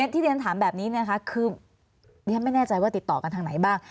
ที่เรียนถามแบบนี้นะคะคือเรียนไม่แน่ใจว่าติดต่อกันทางไหนบ้าง